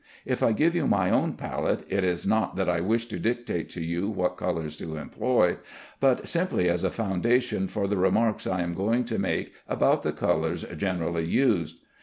If I give you my own palette, it is not that I wish to dictate to you what colors to employ, but simply as a foundation for the remarks I am going to make about the colors generally used.